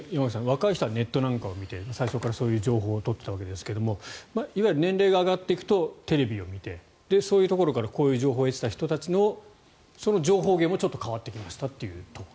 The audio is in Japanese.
若い人はネットなんかを見て最初からそういう情報を取っていたわけですがいわゆる年齢が上がっていくとテレビを見てそういうところからこういう情報を得ていた人たちのその情報源も変わってきたと。